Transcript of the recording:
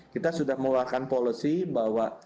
kita sudah melakukan polisi bahwa